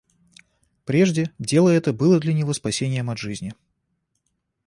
Прежде дело это было для него спасением от жизни.